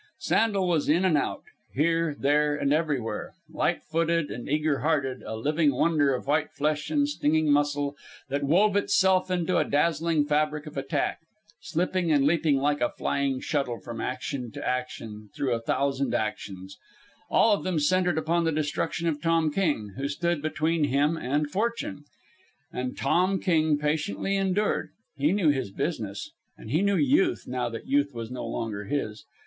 Sandel was in and out, here, there, and everywhere, light footed and eager hearted, a living wonder of white flesh and stinging muscle that wove itself into a dazzling fabric of attack, slipping and leaping like a flying shuttle from action to action through a thousand actions, all of them centred upon the destruction of Tom King, who stood between him and fortune. And Tom King patiently endured. He knew his business, and he knew Youth now that Youth was no longer his.